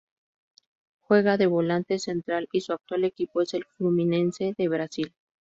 Juega de volante central y su actual equipo es el Fluminense de Brasil.